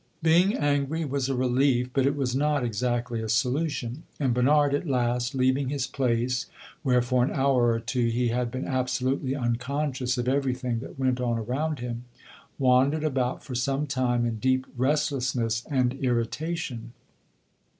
Being angry was a relief, but it was not exactly a solution, and Bernard, at last, leaving his place, where for an hour or two he had been absolutely unconscious of everything that went on around him, wandered about for some time in deep restlessness and irritation.